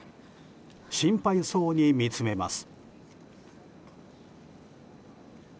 心配そうに見つめます。